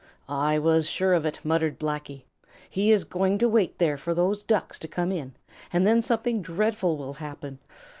"I was sure of it," muttered Blacky. "He is going to wait there for those Ducks to come in, and then something dreadful will happen.